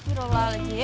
hei ya allah